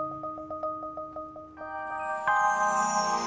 udah mendingan lo tengokin gede soal lo sipur ya